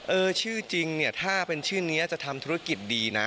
เออชื่อจริงเนี่ยถ้าเป็นชื่อนี้จะทำธุรกิจดีนะ